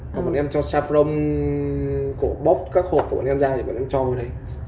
còn bọn em cho saffron bóc các hộp của bọn em ra thì bọn em cho ở đây